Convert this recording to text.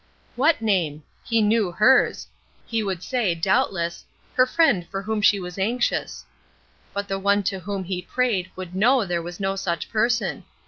What name? He knew hers. He would say, doubtless, "Her friend for whom she was anxious." But the one to whom he prayed would know there was no such person.